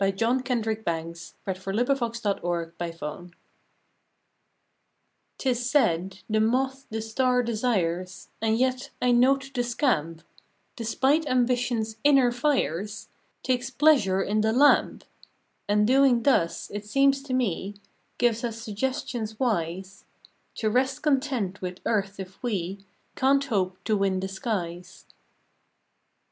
November Twenty eighth THE WISDOM OF THE MOTH 5r TIS said the Moth the Star desires, And yet I note the scamp, Despite ambition s inner fires, Takes pleasure in the lamp; And doing thus, it seems to me, Gives us suggestions wise, To rest content with earth if we Can t hope to win the skies.